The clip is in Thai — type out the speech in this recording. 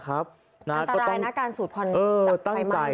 อันตรายนะการสูดควันจับไฟมาก